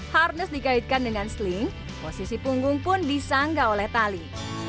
harness dikaitkan dengan sling posisi punggung pun disanggah oleh tali